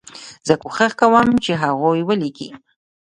زه کوښښ کوم چې هغوی ولیکي.